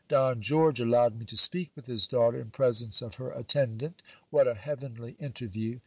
Don George allowed me to speak with his daughter in presence of her attendant. What a heavenly interview